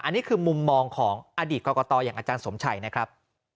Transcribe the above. อันนี้คือมุมมองของอดีตกรกตอย่างอาจารย์สมชัยนะครับ